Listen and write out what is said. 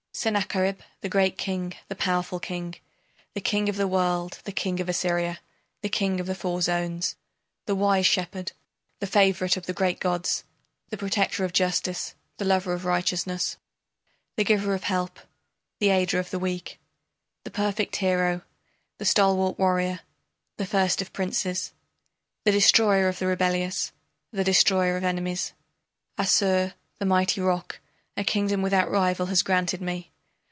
Sennacherib, the great king, the powerful king, The king of the world, the king of Assyria, The king of the four zones, The wise shepherd, the favorite of the great gods, The protector of justice, the lover of righteousness, The giver of help, the aider of the weak, The perfect hero, the stalwart warrior, the first of princes, The destroyer of the rebellious, the destroyer of enemies, Assur, the mighty rock, a kingdom without rival has granted me.